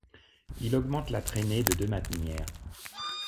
Il augmente la traînée de deux manières.